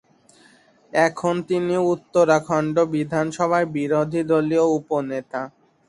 এখন তিনি উত্তরাখণ্ড বিধানসভায় বিরোধী দলীয় উপ-নেতা।